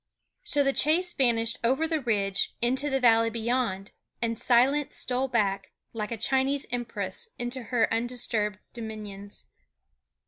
So the chase vanished over the ridge into the valley beyond; and silence stole back, like a Chinese empress, into her disturbed dominions.